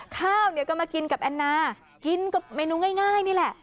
ข้าวเนี่ยก็มากินกับแอนนากินกับเมนูง่ายนี่แหละ